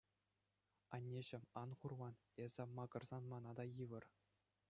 Аннеҫӗм, ан хурлан, эсӗ макӑрсан мана та йывӑр.